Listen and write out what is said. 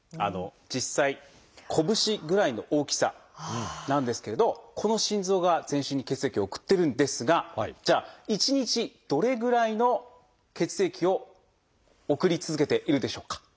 実際拳ぐらいの大きさなんですけれどこの心臓が全身に血液を送ってるんですがじゃあ一日どれぐらいの血液を送り続けているでしょうか？